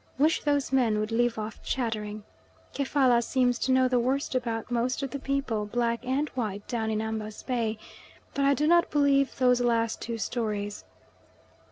Wish those men would leave off chattering. Kefalla seems to know the worst about most of the people, black and white, down in Ambas Bay, but I do not believe those last two stories.